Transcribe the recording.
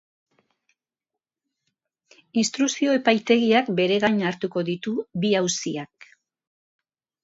Instrukzio epaitegiak bere gain hartuko ditu bi auziak.